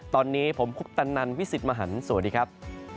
ตอนนี้ผมคุปตันนันพี่สิทธิ์มหันฯสวัสดีครับ